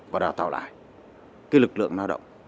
và đào tạo lại cái lực lượng lao động